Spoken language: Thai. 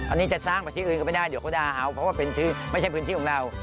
อันนี้จะสร้างไปที่อื่นก็ไม่ได้เดี๋ยวก็ด่าเอาเพราะว่าไม่ใช่พื้นที่ของเรา